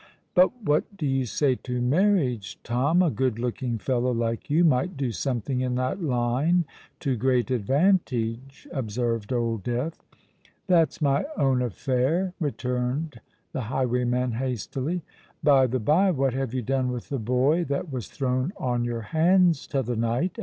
"But what do you say to marriage, Tom? A good looking fellow like you might do something in that line to great advantage," observed Old Death. "That's my own affair," returned the highwayman hastily. "By the bye, what have you done with the boy that was thrown on your hands t'other night?"